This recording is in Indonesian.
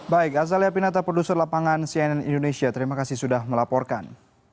baik azalia pinata produser lapangan cnn indonesia terima kasih sudah melaporkan